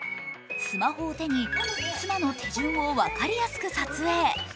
スマホを手に妻の手順を分かりやすく説明。